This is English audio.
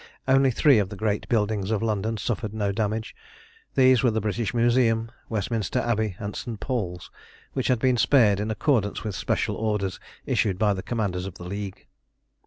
Only three of the great buildings of London had suffered no damage. These were the British Museum, Westminster Abbey, and St Paul's, which had been spared in accordance with special orders issued by the commanders of the League.